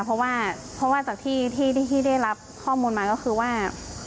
เพราะว่าจากที่ได้รับข้อมูลมาก็คือว่า